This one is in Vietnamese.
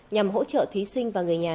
nhằm hỗ trợ thí sinh và người nhà